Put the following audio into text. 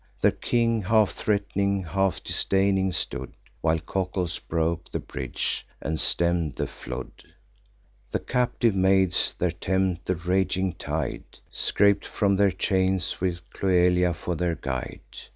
Their king, half threat'ning, half disdaining stood, While Cocles broke the bridge, and stemm'd the flood. The captive maids there tempt the raging tide, Scap'd from their chains, with Cloelia for their guide.